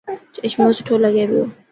چشمو سٺو لگي پيو